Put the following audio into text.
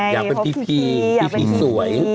อยากเป็นพีพีพีสวย